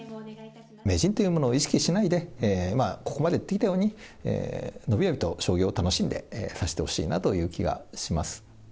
名人というものを意識しないで、ここまでやってきたように、伸び伸びと将棋を楽しんで指してほしいなという気がします。